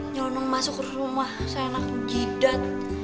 nyelonong masuk ke rumah sayang nak jidat